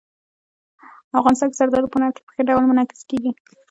افغانستان کې زردالو په هنر کې په ښه ډول منعکس کېږي.